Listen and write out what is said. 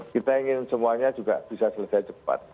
kita ingin semuanya juga bisa selesai cepat